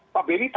pak beni tahu